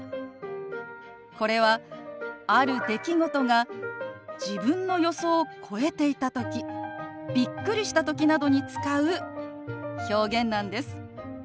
これはある出来事が自分の予想を超えていたときびっくりしたときなどに使う表現なんです。